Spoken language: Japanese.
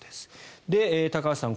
高橋さん